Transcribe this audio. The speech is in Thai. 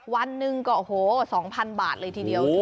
วันหนึ่งก็โอ้โห๒๐๐๐บาทเลยทีเดียว